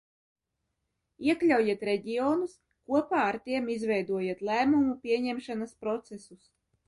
Iekļaujiet reģionus, kopā ar tiem izveidojiet lēmumu pieņemšanas procesus.